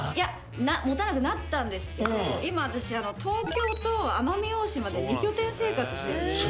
持たなくなったんですけど今私東京と奄美大島で２拠点生活してるんです。